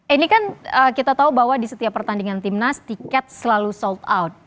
ini kan kita tahu bahwa di setiap pertandingan timnas tiket selalu sold out